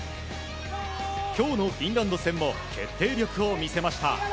今日のフィンランド戦も決定力を見せました。